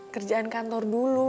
kerjaan kantor dulu